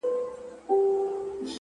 ژونده د څو انجونو يار يم، راته ووايه نو،